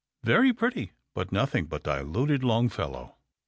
Very pretty, but nothing but diluted Longfellow."